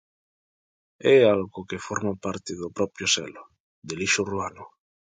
É algo que forma parte do propio selo, de Lixo Urbano.